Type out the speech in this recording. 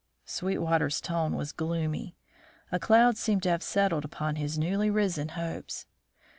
Sweetwater's tone was gloomy; a cloud seemed to have settled upon his newly risen hopes.